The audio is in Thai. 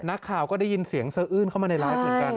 นักข่าวก็ได้ยินเสียงสะอื้นเข้ามาในไลฟ์เหมือนกัน